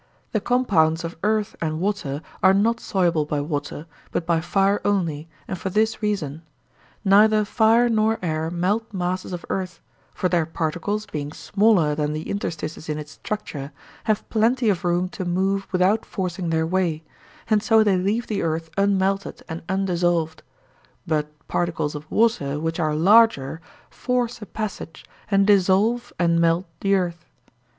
The compounds of earth and water are not soluble by water, but by fire only, and for this reason:—Neither fire nor air melt masses of earth; for their particles, being smaller than the interstices in its structure, have plenty of room to move without forcing their way, and so they leave the earth unmelted and undissolved; but particles of water, which are larger, force a passage, and dissolve and melt the earth.